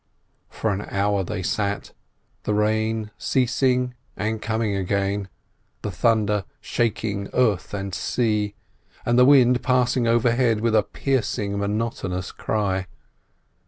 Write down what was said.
For an hour they sat, the rain ceasing and coming again, the thunder shaking earth and sea, and the wind passing overhead with a piercing, monotonous cry.